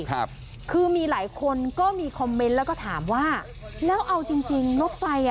ครับคือมีหลายคนก็มีคอมเมนต์แล้วก็ถามว่าแล้วเอาจริงจริงรถไฟอ่ะ